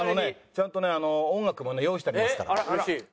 ちゃんとね音楽もね用意してありますから。